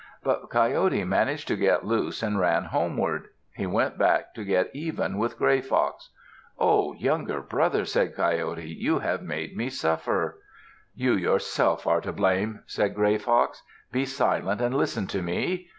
But Coyote managed to get loose and ran homeward. He went back to get even with Gray Fox. "Oh, younger brother," said Coyote, "you have made me suffer." "You yourself are to blame," said Gray Fox. "Be silent and listen to me.